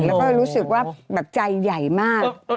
แล้วก็รู้สึกว่าแบบใจใหญ่มาก